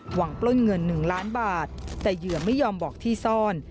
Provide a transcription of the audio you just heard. ปล้นเงิน๑ล้านบาทแต่เหยื่อไม่ยอมบอกที่ซ่อน